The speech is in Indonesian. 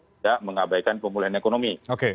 tidak mengabaikan pemulihan ekonomi